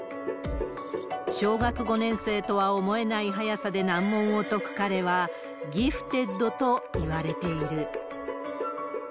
小学５年生とは思えない速さで難問を解く彼は、ギフテッドといわれている。